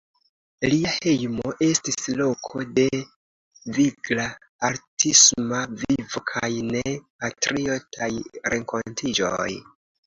Lia hejmo estis loko de vigla artisma vivo kaj de patriotaj renkontiĝoj.